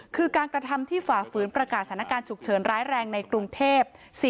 คือการกระทำที่ฝ่าฝืนประกาศสถานการณ์ฉุกเฉินร้ายแรงในกรุงเทพ